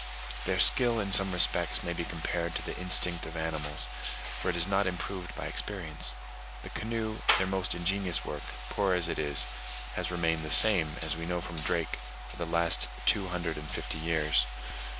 Their skill in some respects may be compared to the instinct of animals; for it is not improved by experience: the canoe, their most ingenious work, poor as it is, has remained the same, as we know from Drake, for the last two hundred and fifty years.